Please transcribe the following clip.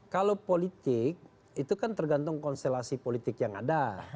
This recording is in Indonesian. kalau politik itu kan tergantung konstelasi politik yang ada